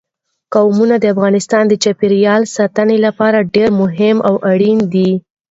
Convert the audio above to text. قومونه د افغانستان د چاپیریال ساتنې لپاره ډېر مهم او اړین دي.